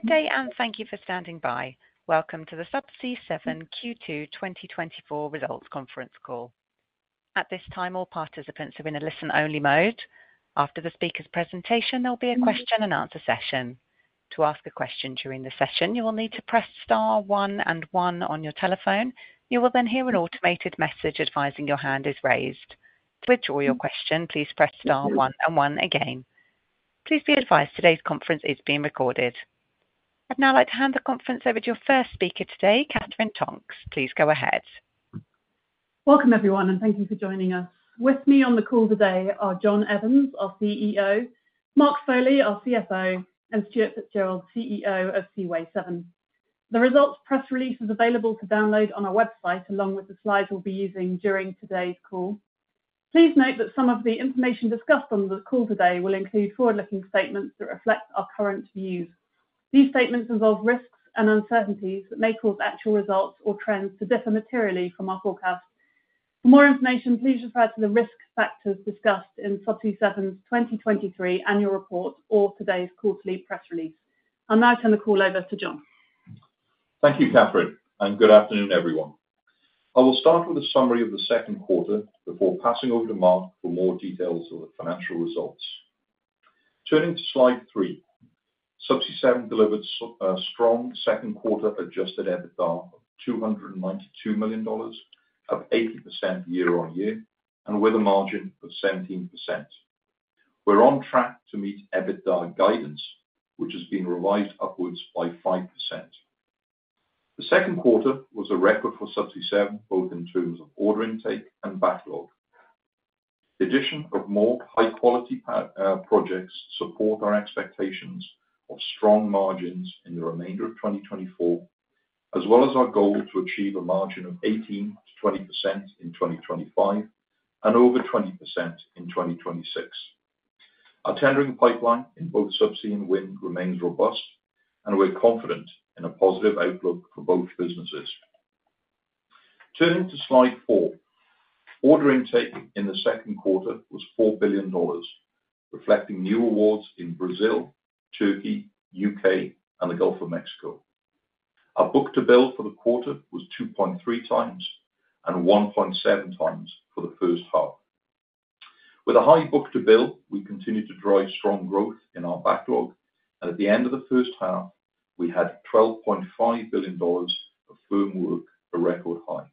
Good day, and thank you for standing by. Welcome to the Subsea 7 Q2 2024 Results Conference Call. At this time, all participants are in a listen-only mode. After the speaker's presentation, there'll be a question and answer session. To ask a question during the session, you will need to press star one and one on your telephone. You will then hear an automated message advising your hand is raised. To withdraw your question, please press star one and one again. Please be advised, today's conference is being recorded. I'd now like to hand the conference over to your first speaker today, Katherine Tonks. Please, go ahead. Welcome, everyone, and thank you for joining us. With me on the call today are John Evans, our CEO, Mark Foley, our CFO, and Stuart Fitzgerald; CEO of Seaway 7. The results press release is available to download on our website, along with the slides we'll be using during today's call. Please note that some of the information discussed on this call today will include forward-looking statements that reflect our current views. These statements involve risks and uncertainties that may cause actual results or trends to differ materially from our forecast. For more information, please refer to the risk factors discussed in Subsea 7's 2023 annual report or today's quarterly press release. I'll now turn the call over to John. Thank you, Katherine, and good afternoon, everyone. I will start with a summary of the second quarter before passing over to Mark for more details of the financial results. Turning to slide three, Subsea 7 delivered a strong second quarter Adjusted EBITDA of $292 million, up 80% year-over-year, and with a margin of 17%. We're on track to meet EBITDA guidance, which has been revised upwards by 5%. The second quarter was a record for Subsea 7, both in terms of order intake and backlog. The addition of more high-quality projects support our expectations of strong margins in the remainder of 2024, as well as our goal to achieve a margin of 18%-20% in 2025, and over 20% in 2026. Our tendering pipeline in both Subsea and wind remains robust, and we're confident in a positive outlook for both businesses. Turning to slide four. Order intake in the second quarter was $4 billion, reflecting new awards in Brazil, Turkey, U.K., and the Gulf of Mexico. Our book-to-bill for the quarter was 2.3 times, and 1.7 times for the first half. With a high book-to-bill, we continued to drive strong growth in our backlog, and at the end of the first half, we had $12.5 billion of firm work, a record high.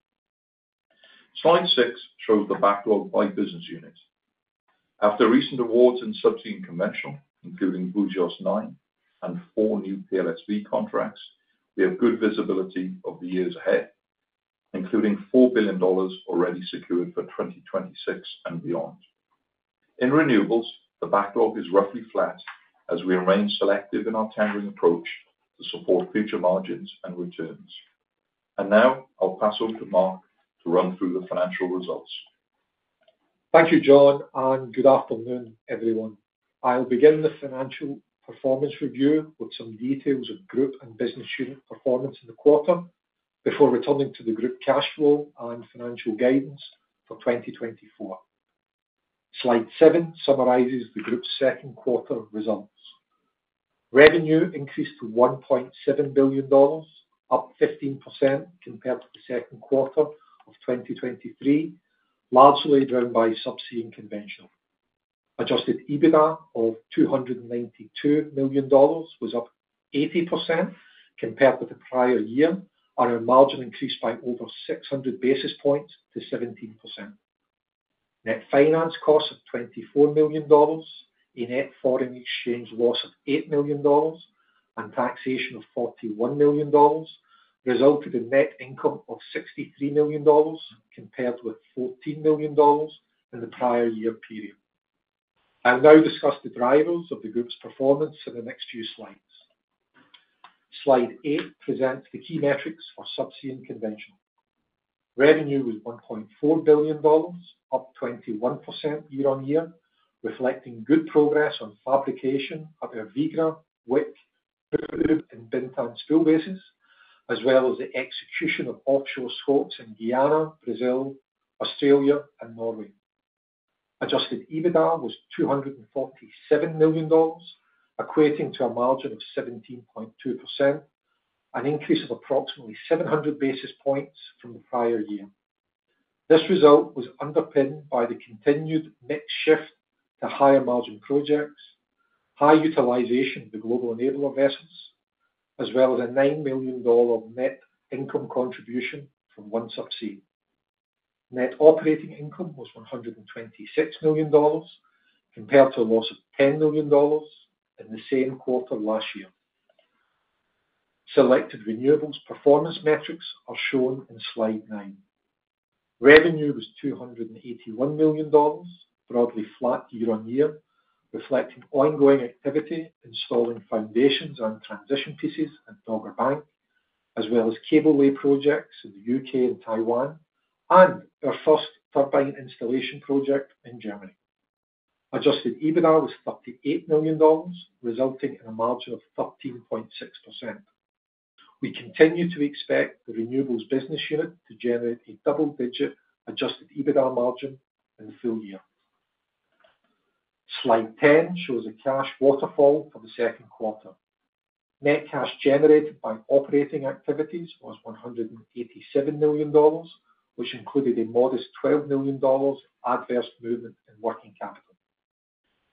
Slide six shows the backlog by business unit. After recent awards in Subsea and Conventional, including Búzios 9 and four new PLSV contracts, we have good visibility of the years ahead, including $4 billion already secured for 2026 and beyond. In renewables, the backlog is roughly flat, as we remain selective in our tendering approach to support future margins and returns. And now, I'll pass over to Mark to run through the financial results. Thank you, John, and good afternoon, everyone. I'll begin the financial performance review with some details of group and business unit performance in the quarter before returning to the group cash flow and financial guidance for 2024. Slide seven, summarizes the group's second quarter results. Revenue increased to $1.7 billion, up 15% compared to the second quarter of 2023, largely driven by Subsea and Conventional. Adjusted EBITDA of $292 million was up 80% compared with the prior year, and our margin increased by over 600 basis points to 17%. Net finance costs of $24 million, a net foreign exchange loss of $8 million, and taxation of $41 million resulted in net income of $63 million, compared with $14 million in the prior year period. I'll now discuss the drivers of the group's performance in the next few slides. Slide eight, presents the key metrics for Subsea and Conventional. Revenue was $1.4 billion, up 21% year-on-year, reflecting good progress on fabrication of our Vigra, Wick, and Bintan spoolbases, as well as the execution of offshore spots in Guyana, Brazil, Australia, and Norway. Adjusted EBITDA was $247 million, equating to a margin of 17.2%, an increase of approximately 700 basis points from the prior year. This result was underpinned by the continued mix shift to higher margin projects, high utilization of the Global Enabler vessels, as well as a $9 million net income contribution from OneSubsea. Net operating income was $126 million, compared to a loss of $10 million in the same quarter last year. Selected renewables performance metrics are shown in Slide nine. Revenue was $281 million, broadly flat year-over-year, reflecting ongoing activity, installing foundations and transition pieces at Dogger Bank, as well as cable lay projects in the U.K., and Taiwan, and our first turbine installation project in Germany. Adjusted EBITDA was $38 million, resulting in a margin of 13.6%. We continue to expect the renewables business unit to generate a double-digit adjusted EBITDA margin in full year.... Slide 10 shows the cash waterfall for the second quarter. Net cash generated by operating activities was $187 million, which included a modest $12 million adverse movement in working capital.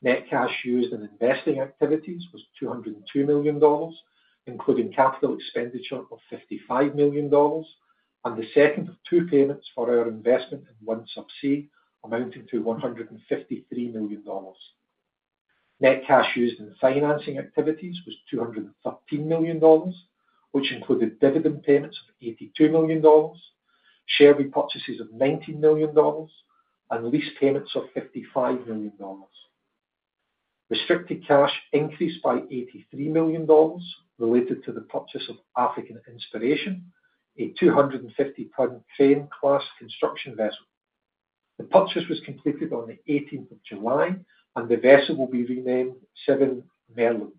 Net cash used in investing activities was $202 million, including capital expenditure of $55 million, and the second of two payments for our investment in OneSubsea, amounting to $153 million. Net cash used in financing activities was $213 million, which included dividend payments of $82 million, share repurchases of $19 million, and lease payments of $55 million. Restricted cash increased by $83 million, related to the purchase of African Inspiration, a 250 ton crane class construction vessel. The purchase was completed on the July 18th, and the vessel will be renamed Seven Merlin.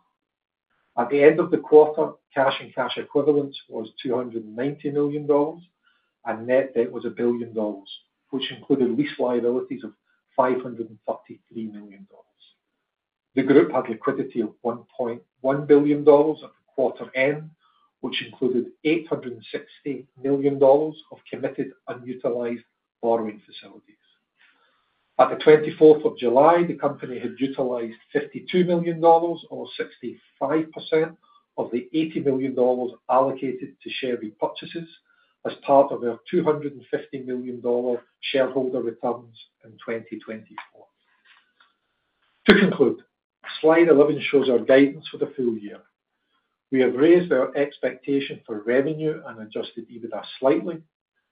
At the end of the quarter, cash and cash equivalents was $290 million, and net debt was $1 billion, which included lease liabilities of $533 million. The group had liquidity of $1.1 billion at the quarter end, which included $860 million of committed unutilized borrowing facilities. At July 24th, the company had utilized $52 million, or 65% of the $80 million allocated to share repurchases as part of our $250 million shareholder returns in 2024. To conclude, slide 11 shows our guidance for the full year. We have raised our expectation for revenue and adjusted EBITDA slightly,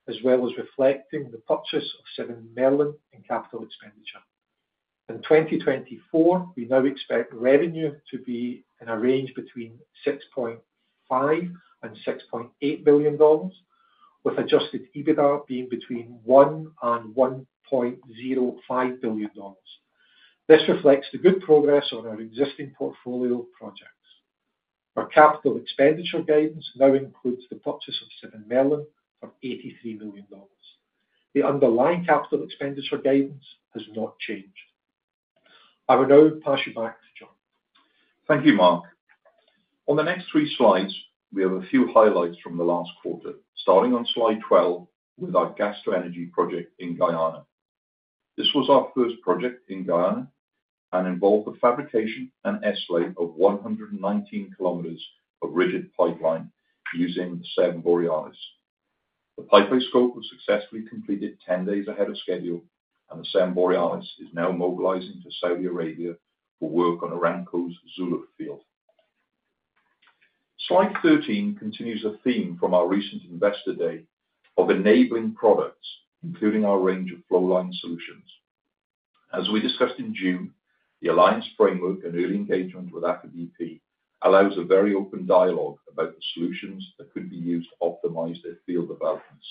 as well as reflecting the purchase of Seven Merlin in capital expenditure. In 2024, we now expect revenue to be in a range between $6.5 billion and $6.8 billion, with adjusted EBITDA being between $1 billion and $1.05 billion. This reflects the good progress on our existing portfolio of projects. Our capital expenditure guidance now includes the purchase of Seven Merlin for $83 million. The underlying capital expenditure guidance has not changed. I will now pass you back to John. Thank you, Mark. On the next three slides, we have a few highlights from the last quarter, starting on slide 12 with our Gas-to-Energy project in Guyana. This was our first project in Guyana, and involved the fabrication and S-lay of 119 kilometers of rigid pipeline using Seven Borealis. The pipeline scope was successfully completed 10 days ahead of schedule, and the Seven Borealis is now mobilizing to Saudi Arabia for work on Aramco's Zuluf field. Slide 13 continues a theme from our recent Investor Day of enabling products, including our range of flow line solutions. As we discussed in June, the alliance framework and early engagement with Aker BP allows a very open dialogue about the solutions that could be used to optimize their field developments.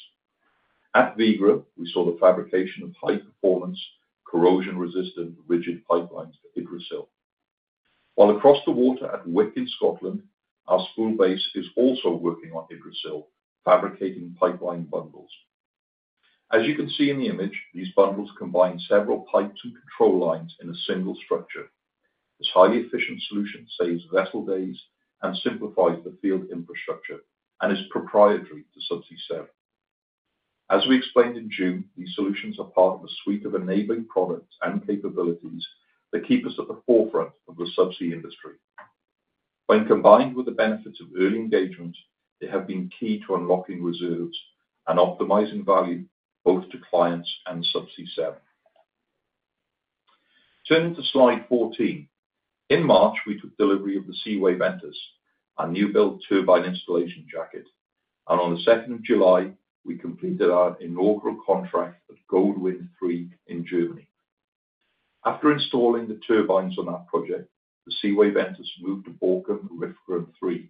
At Vigra, we saw the fabrication of high-performance, corrosion-resistant, rigid pipelines for Yggdrasil. While across the water at Wick in Scotland, our spoolbase is also working on Yggdrasil, fabricating pipeline bundles. As you can see in the image, these bundles combine several pipes and control lines in a single structure. This highly efficient solution saves vessel days and simplifies the field infrastructure, and is proprietary to Subsea 7. As we explained in June, these solutions are part of a suite of enabling products and capabilities that keep us at the forefront of the subsea industry. When combined with the benefits of early engagement, they have been key to unlocking reserves and optimizing value, both to clients and Subsea 7. Turning to slide 14. In March, we took delivery of the Seaway Ventus, our new-built turbine installation jac-up, and on the second of July, we completed our inaugural contract at Gode Wind 3 in Germany. After installing the turbines on that project, the Seaway Ventus moved to Borkum Riffgrund 3,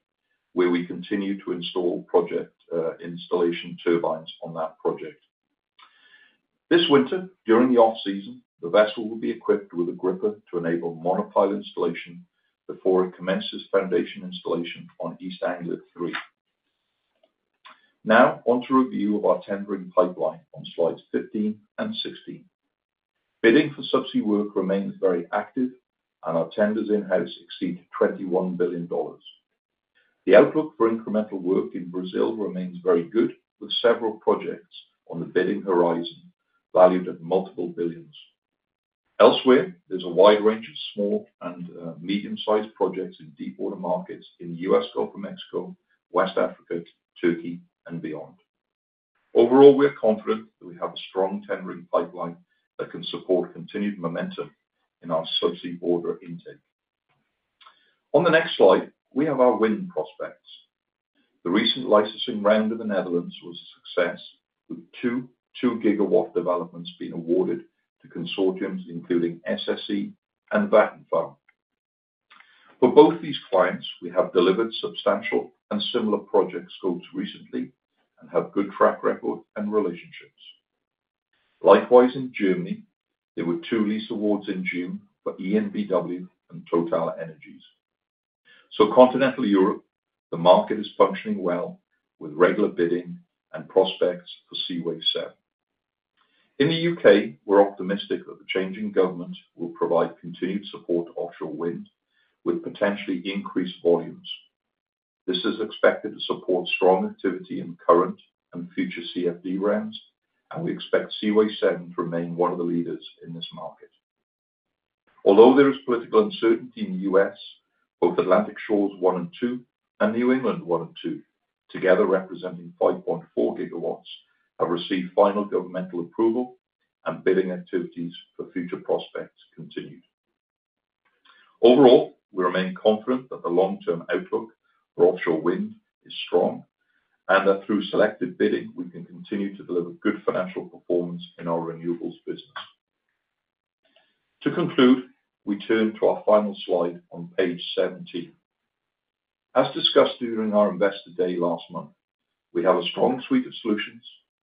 where we continue to install project, installation turbines on that project. This winter, during the off-season, the vessel will be equipped with a gripper to enable monopile installation before it commences foundation installation on East Anglia THREE. Now, on to review of our tendering pipeline on slides 15 and 16. Bidding for subsea work remains very active, and our tenders in-house exceed $21 billion. The outlook for incremental work in Brazil remains very good, with several projects on the bidding horizon, valued at multiple billions. Elsewhere, there's a wide range of small and medium-sized projects in deep water markets in the U.S., Gulf of Mexico, West Africa, Turkey, and beyond. Overall, we are confident that we have a strong tendering pipeline that can support continued momentum in our subsea order intake. On the next slide, we have our wind prospects. The recent licensing round of the Netherlands was a success, with two, 2 GW developments being awarded to consortiums, including SSE and Vattenfall. For both these clients, we have delivered substantial and similar project scopes recently, and have good track record and relationships. Likewise, in Germany, there were two lease awards in June for EnBW and TotalEnergies. So continental Europe, the market is functioning well, with regular bidding and prospects for Seaway 7. In the U.K., we're optimistic that the changing government will provide continued support to offshore wind, with potentially increased volumes. This is expected to support strong activity in current and future CFD rounds, and we expect Seaway 7 to remain one of the leaders in this market. Although there is political uncertainty in the U.S., both Atlantic Shores 1 and 2, and New England 1 and 2, together representing 5.4 GW, have received final governmental approval, and bidding activities for future prospects continued. Overall, we remain confident that the long-term outlook for offshore wind is strong, and that through selective bidding, we can continue to deliver good financial performance in our renewables business. To conclude, we turn to our final slide on page 17. As discussed during our Investor Day last month, we have a strong suite of solutions,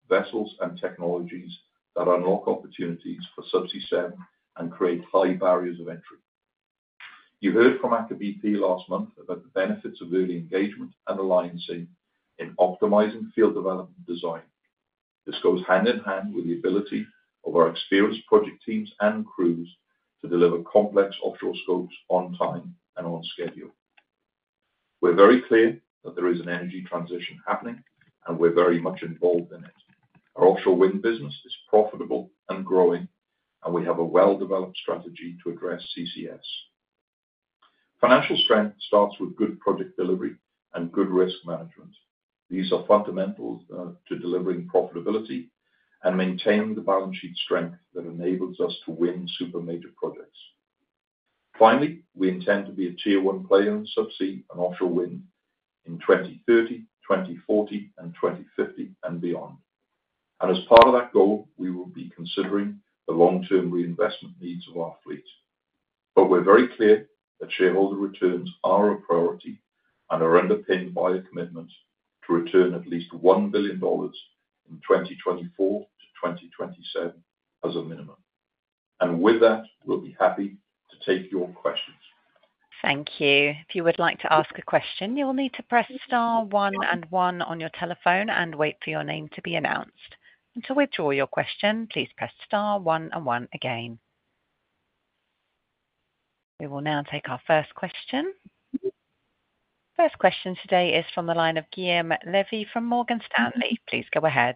vessels and technologies that unlock opportunities for subsea 7 and create high barriers of entry. You heard from Aker BP last month about the benefits of early engagement and alliance in optimizing field development design. This goes hand in hand with the ability of our experienced project teams and crews to deliver complex offshore scopes on time and on schedule. We're very clear that there is an energy transition happening, and we're very much involved in it. Our offshore wind business is profitable and growing, and we have a well-developed strategy to address CCS. Financial strength starts with good project delivery and good risk management. These are fundamentals to delivering profitability and maintaining the balance sheet strength that enables us to win super major projects. Finally, we intend to be a tier one player in subsea and offshore wind in 2030, 2040, and 2050, and beyond. And as part of that goal, we will be considering the long-term reinvestment needs of our fleet. We're very clear that shareholder returns are a priority and are underpinned by a commitment to return at least $1 billion in 2024-2027 as a minimum. With that, we'll be happy to take your questions. Thank you. If you would like to ask a question, you'll need to press star one and one on your telephone and wait for your name to be announced. And to withdraw your question, please press star one and one again. We will now take our first question. First question today is from the line of Guilherme Levy from Morgan Stanley. Please go ahead.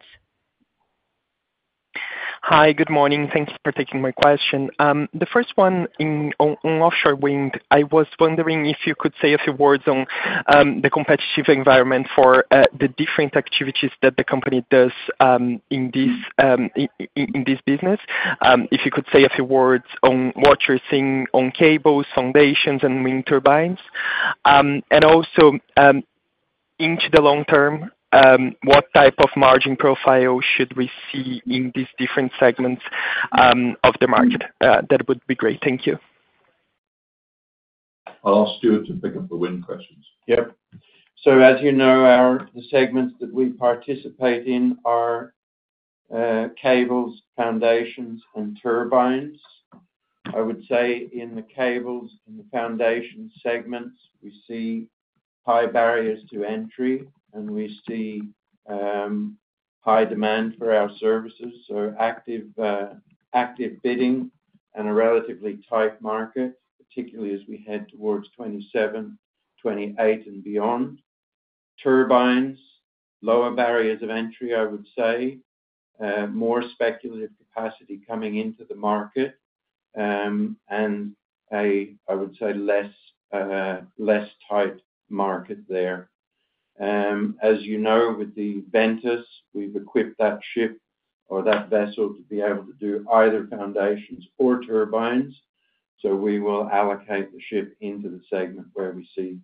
Hi, good morning. Thank you for taking my question. The first one on offshore wind, I was wondering if you could say a few words on the competitive environment for the different activities that the company does in this business. If you could say a few words on what you're seeing on cables, foundations, and wind turbines. And also, into the long term, what type of margin profile should we see in these different segments of the market? That would be great. Thank you. I'll ask Stuart to pick up the wind questions. Yep. So as you know, our the segments that we participate in are cables, foundations, and turbines. I would say in the cables and the foundations segments, we see high barriers to entry, and we see high demand for our services, so active bidding and a relatively tight market, particularly as we head towards 27, 28 and beyond. Turbines, lower barriers of entry, I would say. More speculative capacity coming into the market, and a, I would say, less tight market there. As you know, with the Ventus, we've equipped that ship or that vessel to be able to do either foundations or turbines, so we will allocate the ship into the segment where we see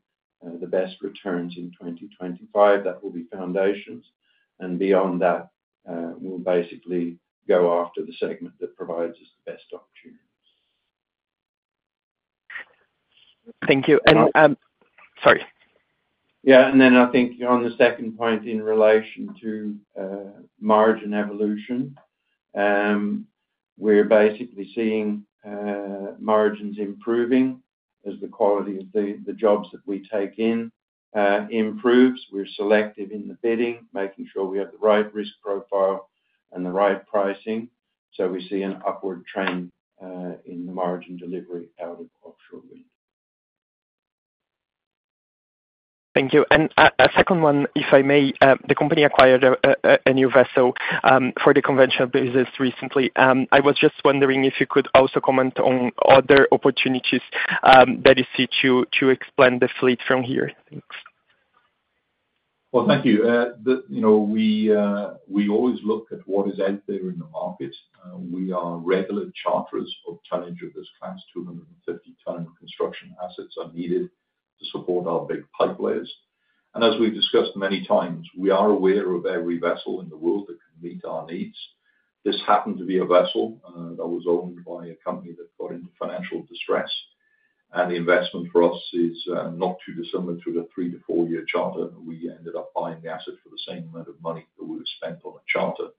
the best returns in 2025. That will be foundations, and beyond that, we'll basically go after the segment that provides us the best opportunities. Thank you. And, sorry. Yeah, and then I think on the second point, in relation to margin evolution, we're basically seeing margins improving as the quality of the, the jobs that we take in improves. We're selective in the bidding, making sure we have the right risk profile and the right pricing, so we see an upward trend in the margin delivery out of offshore wind. Thank you. And a second one, if I may. The company acquired a new vessel for the conventional business recently. I was just wondering if you could also comment on other opportunities that you see to expand the fleet from here. Thanks. Well, thank you. You know, we always look at what is out there in the market. We are regular charterers of vessels of this class. 250 ton construction assets are needed to support our big pipelines. And as we've discussed many times, we are aware of every vessel in the world that can meet our needs. This happened to be a vessel that was owned by a company that got into financial distress, and the investment for us is not too dissimilar to the 3-4-year charter. We ended up buying the asset for the same amount of money that we would have spent on a charter.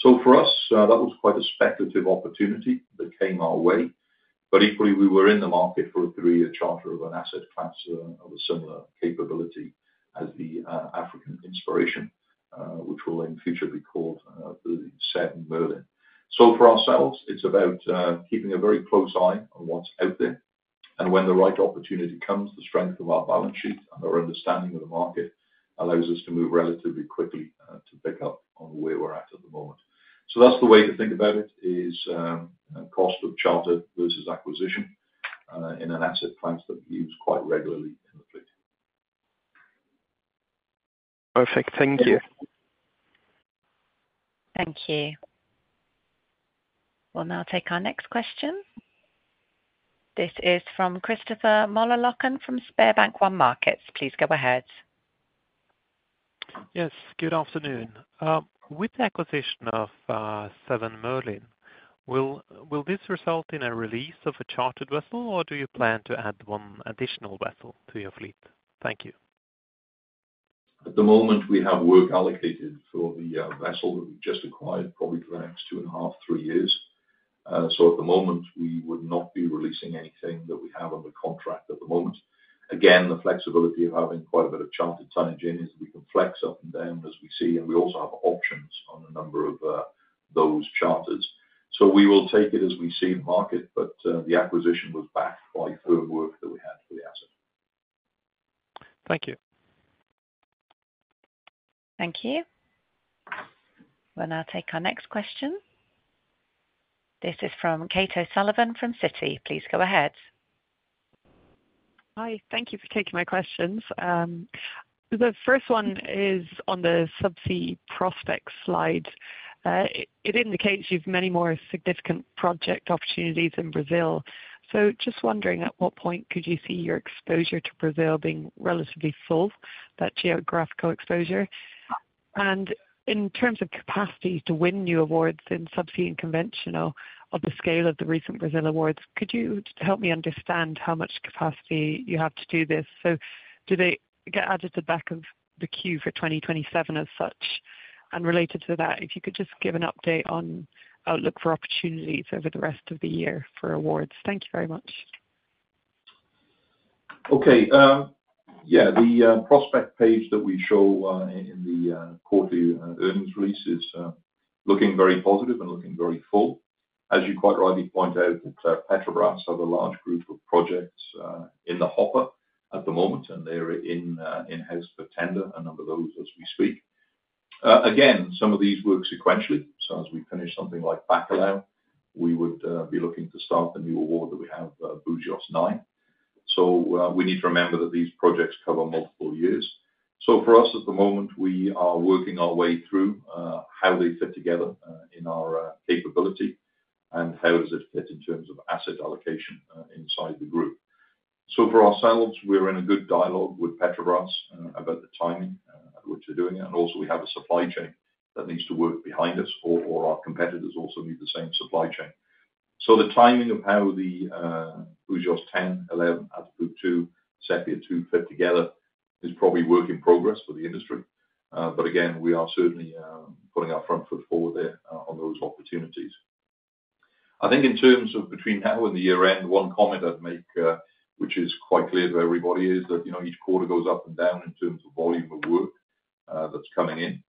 So for us, that was quite a speculative opportunity that came our way. But equally, we were in the market for a three-year charter of an asset class, of a similar capability as the, African Inspiration, which will in future be called, the Seven Merlin. So for ourselves, it's about, keeping a very close eye on what's out there, and when the right opportunity comes, the strength of our balance sheet and our understanding of the market allows us to move relatively quickly, to pick up on where we're at at the moment. So that's the way to think about it, is, cost of charter versus acquisition, in an asset class that we use quite regularly in the fleet. Perfect. Thank you. Thank you. We'll now take our next question. This is from Christopher Møllerløkken from SpareBank 1 Markets. Please go ahead. Yes, good afternoon. With the acquisition of Seven Merlin, will this result in a release of a chartered vessel, or do you plan to add one additional vessel to your fleet? Thank you. At the moment, we have work allocated for the vessel that we've just acquired, probably for the next 2.5-3 years. So at the moment, we would not be releasing anything that we have under contract at the moment. Again, the flexibility of having quite a bit of chartered tonnage, we can flex up and down as we see, and we also have options on a number of those charters. So we will take it as we see in market, but the acquisition was backed by firm work that we had for the asset. Thank you. Thank you. We'll now take our next question. This is from Kate O'Sullivan, from Citi. Please go ahead. Hi, thank you for taking my questions. The first one is on the subsea prospects slide. It indicates you've many more significant project opportunities in Brazil. So just wondering, at what point could you see your exposure to Brazil being relatively full, that geographical exposure? And in terms of capacity to win new awards in subsea and conventional of the scale of the recent Brazil awards, could you help me understand how much capacity you have to do this? So do they get added to the back of the queue for 2027, as such? And related to that, if you could just give an update on outlook for opportunities over the rest of the year for awards. Thank you very much. Okay, yeah, the prospect page that we show in the quarterly earnings release is looking very positive and looking very full. As you quite rightly point out, it's Petrobras have a large group of projects in the hopper at the moment, and they're in in-house for tender, a number of those as we speak. Again, some of these work sequentially, so as we finish something like Bacalhau, we would be looking to start the new award that we have, Búzios 9. So, we need to remember that these projects cover multiple years. So for us, at the moment, we are working our way through how they fit together in our capability and how does it fit in terms of asset allocation inside the group. So for ourselves, we're in a good dialogue with Petrobras about the timing at which we're doing it, and also we have a supply chain that needs to work behind us, or our competitors also need the same supply chain. So the timing of how the Búzios 10, 11 in Group 2, Sépia 2 fit together is probably work in progress for the industry. But again, we are certainly putting our front foot forward there on those opportunities. I think in terms of between now and the year end, one comment I'd make, which is quite clear to everybody, is that you know, each quarter goes up and down in terms of volume of work that's coming in.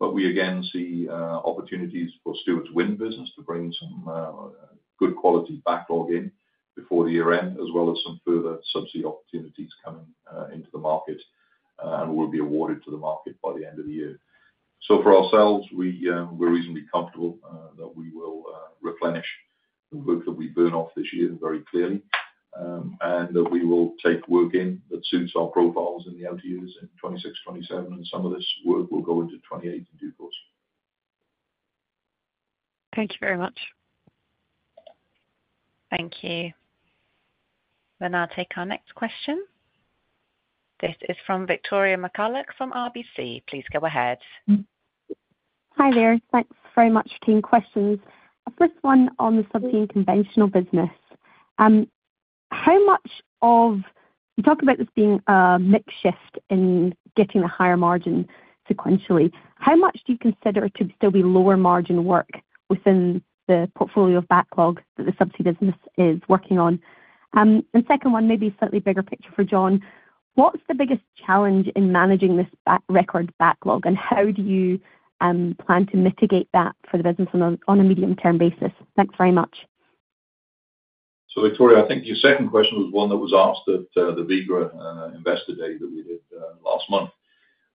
But we again see opportunities for Stuart to win business, to bring some good quality backlog in before the year end, as well as some further subsea opportunities coming into the market, and will be awarded to the market by the end of the year. So for ourselves, we're reasonably comfortable that we will replenish the work that we burn off this year very clearly, and that we will take work in that suits our profiles in the out years, in 2026, 2027, and some of this work will go into 2028 in due course. Thank you very much. Thank you. We'll now take our next question. This is from Victoria McCulloch from RBC. Please go ahead. Hi there. Thanks very much. Two questions. The first one on the Subsea and Conventional business. You talk about this being a mix shift in getting the higher margin sequentially. How much do you consider to still be lower margin work within the portfolio of backlogs that the subsea business is working on? And second one, maybe slightly bigger picture for John. What's the biggest challenge in managing this record backlog, and how do you plan to mitigate that for the business on a medium-term basis? Thanks very much. So, Victoria, I think your second question was one that was asked at the Vigra Investor Day that we did last month.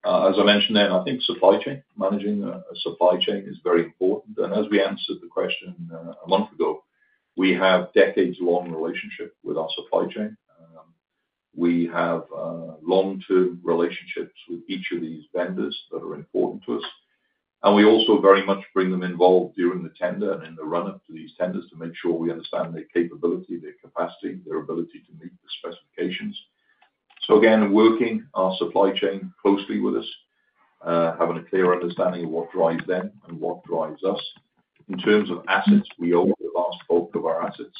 As I mentioned then, I think supply chain, managing a supply chain is very important. And as we answered the question a month ago, we have decades-long relationship with our supply chain. We have long-term relationships with each of these vendors that are important to us, and we also very much bring them involved during the tender and in the run-up to these tenders, to make sure we understand their capability, their capacity, their ability to meet the specifications. So again, working our supply chain closely with us, having a clear understanding of what drives them and what drives us.... In terms of assets, we own the vast bulk of our assets,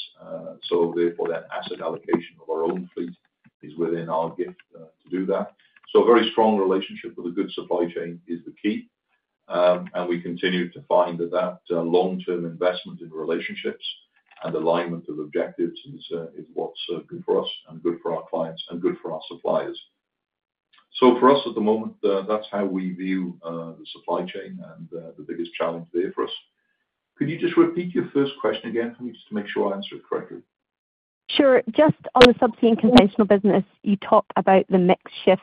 so therefore, that asset allocation of our own fleet is within our gift, to do that. So a very strong relationship with a good supply chain is the key. And we continue to find that that, long-term investment in relationships and alignment of objectives is, is what's good for us and good for our clients and good for our suppliers. So for us at the moment, that's how we view, the supply chain and, the biggest challenge there for us. Could you just repeat your first question again, please, just to make sure I answer it correctly? Sure. Just on the subsea and conventional business, you talk about the mix shift,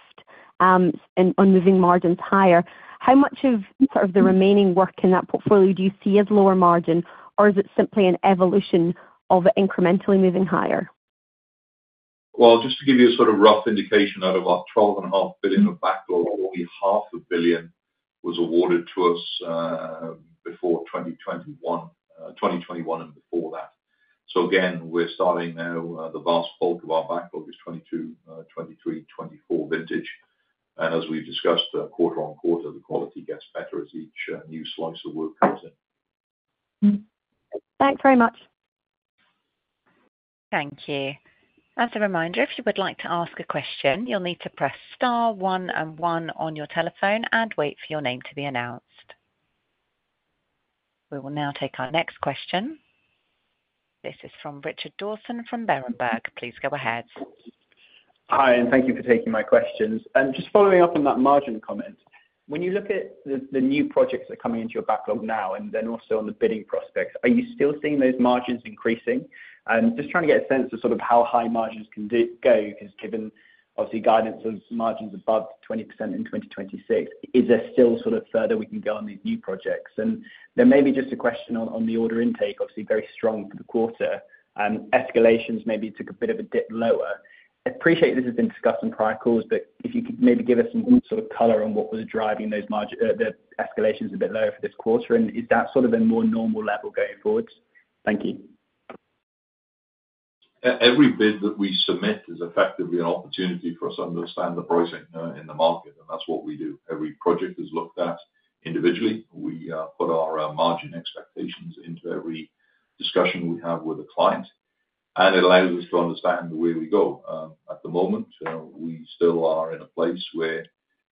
and on moving margins higher. How much of sort of the remaining work in that portfolio do you see as lower margin, or is it simply an evolution of incrementally moving higher? Well, just to give you a sort of rough indication, out of our $12.5 billion of backlog, only $0.5 billion was awarded to us, before 2021, 2021 and before that. So again, we're starting now, the vast bulk of our backlog is 2022, 2023, 2024 vintage. And as we've discussed, quarter-on-quarter, the quality gets better as each, new slice of work comes in. Mm-hmm. Thanks very much. Thank you. As a reminder, if you would like to ask a question, you'll need to press star one and one on your telephone and wait for your name to be announced. We will now take our next question. This is from Richard Dawson from Berenberg. Please go ahead. Hi, and thank you for taking my questions. Just following up on that margin comment, when you look at the new projects that are coming into your backlog now, and then also on the bidding prospects, are you still seeing those margins increasing? And just trying to get a sense of sort of how high margins can go, because given obviously guidance of margins above 20% in 2026, is there still sort of further we can go on these new projects? And then maybe just a question on the order intake, obviously very strong for the quarter, escalations maybe took a bit of a dip lower. I appreciate this has been discussed in prior calls, but if you could maybe give us some sort of color on what was driving those margin escalations a bit lower for this quarter, and is that sort of a more normal level going forward? Thank you. Every bid that we submit is effectively an opportunity for us to understand the pricing in the market, and that's what we do. Every project is looked at individually. We put our margin expectations into every discussion we have with a client, and it allows us to understand the way we go. At the moment, we still are in a place where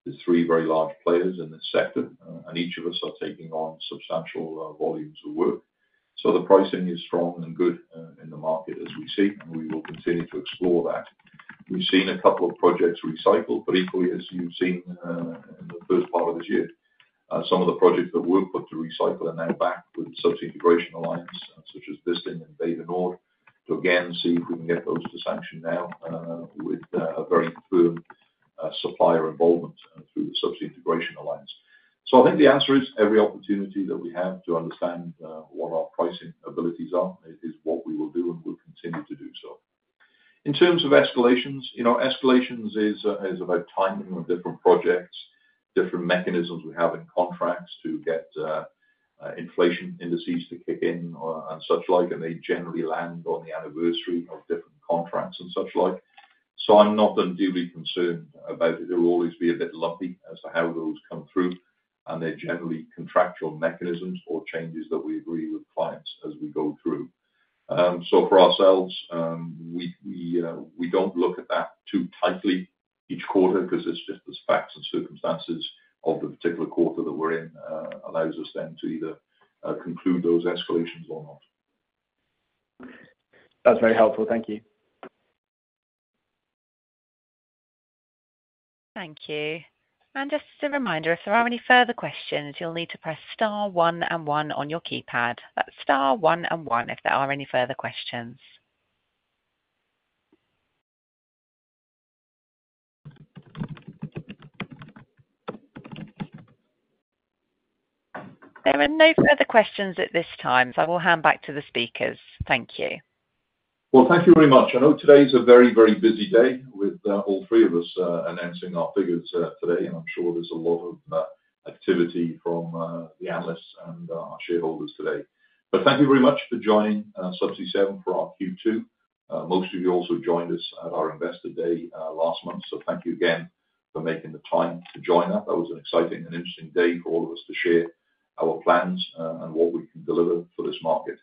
there's three very large players in this sector, and each of us are taking on substantial volumes of work. So the pricing is strong and good in the market as we see, and we will continue to explore that. We've seen a couple of projects recycle, but equally, as you've seen, in the first part of this year, some of the projects that were put to recycle are now back with the Subsea Integration Alliance, such as Wisting and Bay du Nord. So again, see if we can get those to sanction now, with a very firm supplier involvement through the Subsea Integration Alliance. So I think the answer is, every opportunity that we have to understand what our pricing abilities are is what we will do, and we'll continue to do so. In terms of escalations, you know, escalations is about timing on different projects, different mechanisms we have in contracts to get inflation indices to kick in, and such like, and they generally land on the anniversary of different contracts and such like. So I'm not unduly concerned about it. There will always be a bit lumpy as to how those come through, and they're generally contractual mechanisms or changes that we agree with clients as we go through. So for ourselves, we don't look at that too tightly each quarter, because it's just the facts and circumstances of the particular quarter that we're in, allows us then to either conclude those escalations or not. That's very helpful. Thank you. Thank you. Just as a reminder, if there are any further questions, you'll need to press star one and one on your keypad. That's star one and one, if there are any further questions. There are no further questions at this time, so I will hand back to the speakers. Thank you. Well, thank you very much. I know today is a very, very busy day with all three of us announcing our figures today, and I'm sure there's a lot of activity from the analysts and our shareholders today. But thank you very much for joining Subsea 7 for our Q2. Most of you also joined us at our Investor Day last month, so thank you again for making the time to join us. That was an exciting and interesting day for all of us to share our plans and what we can deliver for this market.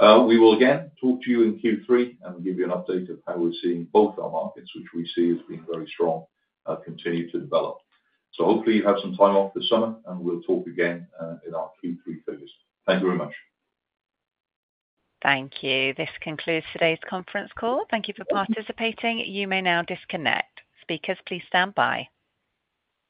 We will again talk to you in Q3, and we'll give you an update of how we're seeing both our markets, which we see as being very strong, continue to develop. So hopefully you have some time off this summer, and we'll talk again, in our Q3 figures. Thank you very much. Thank you. This concludes today's conference call. Thank you for participating. You may now disconnect. Speakers, please stand by.